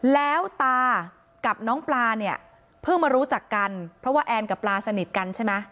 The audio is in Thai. แล้วตากับน้องปลาเนี่ยเพิ่งมารู้จักกันเพราะว่าแอนกับปลาสนิทกันใช่ไหม